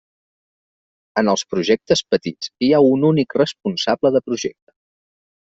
En els projectes petits hi ha un únic responsable de projecte.